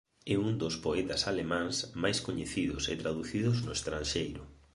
É un dos poetas alemáns máis coñecidos e traducidos no estranxeiro.